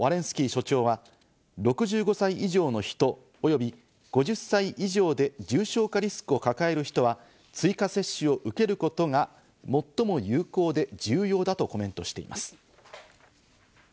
スキー所長は６５歳以上の人、および５０歳以上で重症化リスクを抱える人は追加接種を受けることが最も有効で重要だとコメントしています。